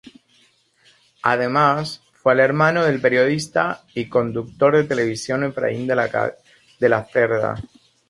Además, fue el hermano del periodista y conductor de televisión Efraín de la Cerda.